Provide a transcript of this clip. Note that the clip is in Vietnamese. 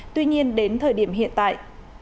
tuy nhiên đến thời điểm hiện tại